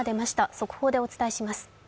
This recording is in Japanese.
速報でお伝えします。